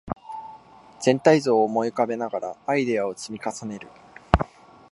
全体像を思い浮かべながらアイデアを積み重ねる